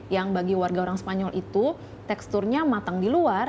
yang bagi warga orang spanyol itu teksturnya matang di luar